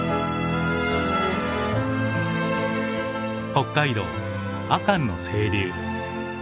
北海道阿寒の清流。